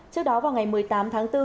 trước đó vào ngày một mươi tám tháng bốn